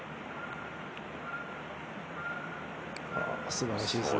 すばらしいですね。